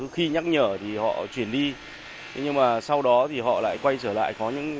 khi nhắc nhở thì họ chuyển đi nhưng mà sau đó thì họ lại quay trở lại